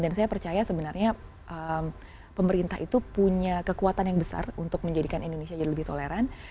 dan saya percaya sebenarnya pemerintah itu punya kekuatan yang besar untuk menjadikan indonesia jadi lebih toleransi